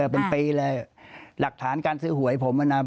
เป็นปีอะไรหลักฐานการซื้อหวยผม